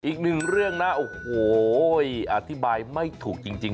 อีกหนึ่งเรื่องนะโอ้โหอธิบายไม่ถูกจริง